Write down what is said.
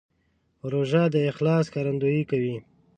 روژه د اخلاص ښکارندویي کوي.